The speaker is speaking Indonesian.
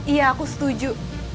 iya aku setuju